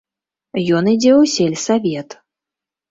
Ён ідзе ў сельсавет.